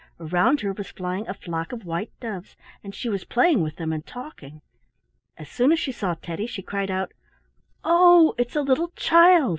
Around her was flying a flock of white doves, and she was playing with them and talking. As soon as she saw Teddy she cried out, "Oh, it's a little child!"